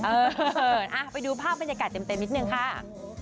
เออไปดูภาพบรรยากาศเต็มนิดนึงค่ะ